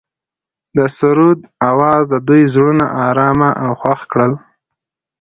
د سرود اواز د دوی زړونه ارامه او خوښ کړل.